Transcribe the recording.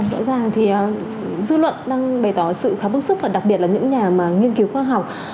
rõ ràng thì dư luận đang bày tỏ sự khá bức xúc và đặc biệt là những nhà nghiên cứu khoa học